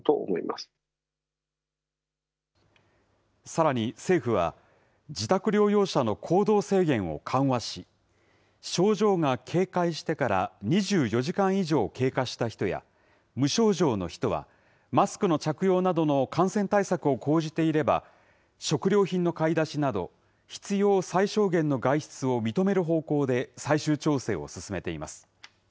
さらに政府は、自宅療養者の行動制限を緩和し、症状が軽快してから２４時間以上経過した人や、無症状の人は、マスクの着用などの感染対策を講じていれば、食料品の買い出しなど、必要最小限の外出を認める方向で、最終調整を進めています。